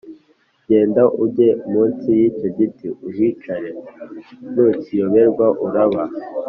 Genda uge munsi y’icyo giti, uhicare. Nukiyoberwa uraba